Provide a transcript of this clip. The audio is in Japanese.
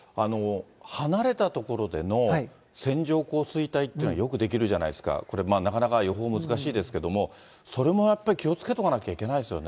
離れた所での線状降水帯っていうのは、よく出来るじゃないですか、なかなか予報、難しいですけれども、それもやっぱり気をつけておかないといけないですよね。